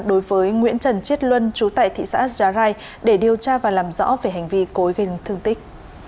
đối với nguyễn trần chiết luân chú tại thị xã già rai để điều tra và làm rõ về hành vi cối gây thương tích